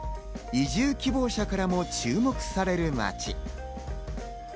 移住希望者からも注目される街。